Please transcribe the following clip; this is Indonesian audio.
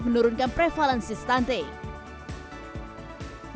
menurunkan prevalensi stunting